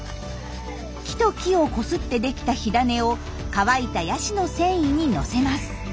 木と木をこすって出来た火種を乾いたヤシの繊維に載せます。